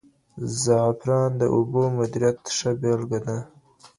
زعفران د اوبو د مدیریت ښه بېلګه ده.